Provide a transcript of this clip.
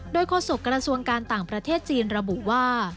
โดยโฆษกระทรวงการต่างประเทศจีนระบุว่า